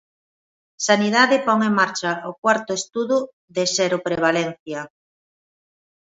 Sanidade pon en marcha o cuarto estudo de seroprevalencia.